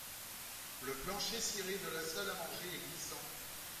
Le plancher ciré de la salle à manger est glissant